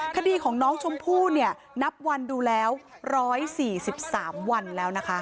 คดีของน้องชมพู่เนี่ยนับวันดูแล้วร้อยสี่สิบสามวันแล้วนะคะ